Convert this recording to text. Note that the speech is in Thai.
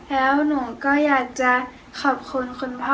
แล้วหนูก็อยากจะขอบคุณคุณพ่อ